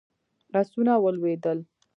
آسونه ولوېدل.